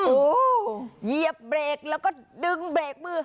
โอ้โหเหยียบเบรกแล้วก็ดึงเบรกมือ